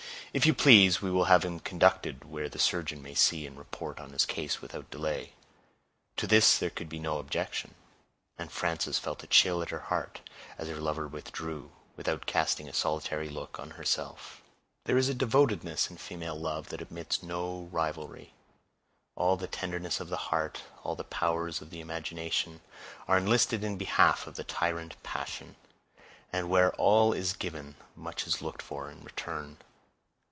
"If you please, we will have him conducted where the surgeon may see and report upon his case without delay." To this there could be no objection; and Frances felt a chill at her heart, as her lover withdrew, without casting a solitary look on herself. There is a devotedness in female love that admits of no rivalry. All the tenderness of the heart, all the powers of the imagination, are enlisted in behalf of the tyrant passion; and where all is given, much is looked for in return.